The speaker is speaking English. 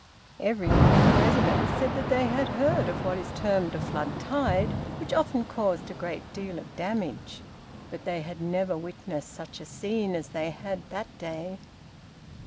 Everyone in the residence said that they had heard of what is termed a flood tide, which often caused a great deal of damage, but they had never witnessed such a scene as they had that day.